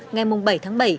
ngày mùng bảy tháng bảy